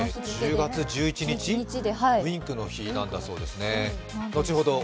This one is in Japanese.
１０月１１日、ウインクの日なんだそうですね。